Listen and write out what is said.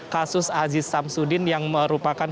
kasus haji sabzudin yang merupakan